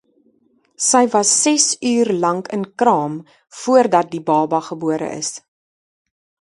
Sy was ses uur lank in kraam voordat die baba gebore is.